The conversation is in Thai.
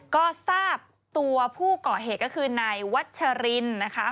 ก็ทราบตัวผู้ก่อเหตุก็คือนายวัชรินนะคะ